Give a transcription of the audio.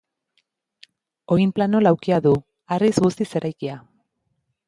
Oinplano laukia du, harriz guztiz eraikia.